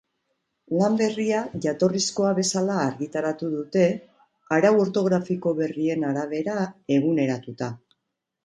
Lan berria jatorrizkoa bezala argitaratu dute, arau ortografiko berrien arabera eguneratuta.